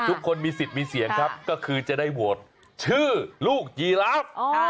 ทุกคนมีสิทธิ์มีเสียงครับก็คือจะได้โหวตชื่อลูกยีรัก